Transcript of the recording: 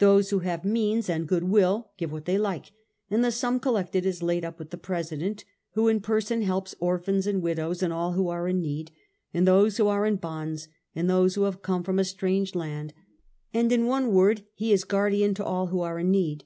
Those who have means and goodwill give what they like, and the sum collected is laid up with the president, who in person helps orphans and widows, and all who are in need, and those who are in bonds, and those who have come from a strange land, and, in one word, he is guardian to all who are in need.